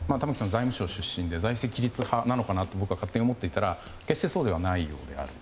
財務省出身で財政規律派なのかなと僕は勝手に思っていたら決してそうではないようである。